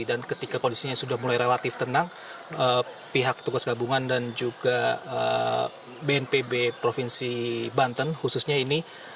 dan ketika kondisinya sudah mulai relatif tenang pihak petugas gabungan dan juga bnpb provinsi banten khususnya ini